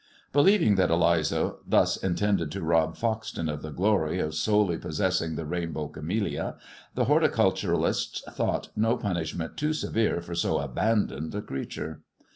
Believing that Eliza thus intended to rob Foxton of the glory of solely possessing the rainbow camellia, the horticulturists thought no punishment too severe for so abandoned a creature.